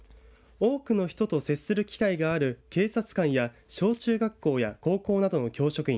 多くの人と接する機会がある警察官や小中学校や高校などの教職員